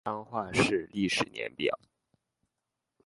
彰化市历史年表